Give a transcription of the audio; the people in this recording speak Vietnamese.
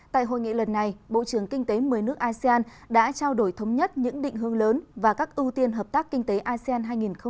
tại hội nghị lần này bộ trưởng kinh tế một mươi nước asean đã trao đổi thống nhất những định hướng lớn và các ưu tiên hợp tác kinh tế asean hai nghìn hai mươi